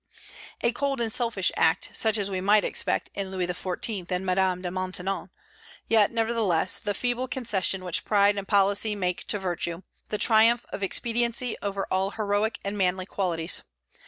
A cold and selfish act, such as we might expect in Louis XIV. and Madame de Maintenon, yet, nevertheless, the feeble concession which pride and policy make to virtue, the triumph of expediency over all heroic and manly qualities.